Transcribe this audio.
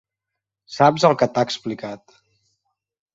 Saps el que t'ha explicat.